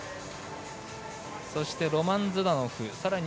そしてロマン・ズダノフさらに